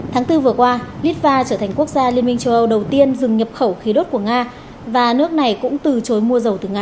tháng bốn vừa qua litva trở thành quốc gia liên minh châu âu đầu tiên dừng nhập khẩu khí đốt của nga và nước này cũng từ chối mua dầu từ nga